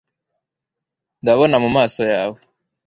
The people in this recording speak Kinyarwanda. ndabona mu maso yawe